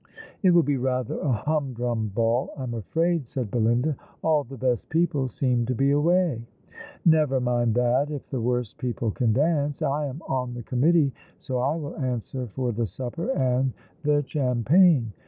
"It will be rather a humdrum ball, I'm afraid," said Belinda. " All the best people seem to be away.'' " Never mind that if the worst people can dance. I am on the committee, so I will answer for the supjier and the chaai pngno.